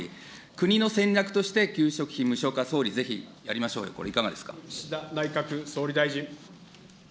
国の戦略として給食費無償化、総理、ぜひやりましょうよ、これ、岸田内閣総理大臣。